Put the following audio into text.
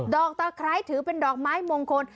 อกตะไคร้ถือเป็นดอกไม้มงคล